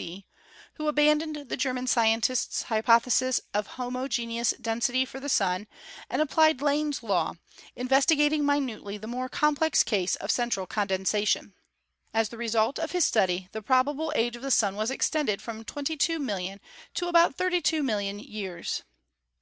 See, who abandoned the German scientist's hypothesis of homo geneous density for the Sun and applied Lane's law, in vestigating minutely the more complex case of central condensation. As the result of his study the probable age of the Sun was extended from twenty two million to about thirty two million years.